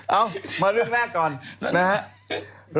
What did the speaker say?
เอ้ามาเรื่องแรกก่อนนะฮะ